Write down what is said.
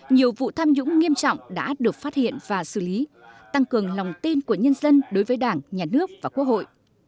nhiều vụ tham nhũng nghiêm trọng đã được phát hiện và xử lý tăng cường lòng tin của nhân dân đối với đảng nhà nước và quốc hội